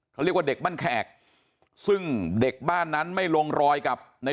เขาเรียกว่าเด็กบ้านแขกซึ่งเด็กบ้านนั้นไม่ลงรอยกับใน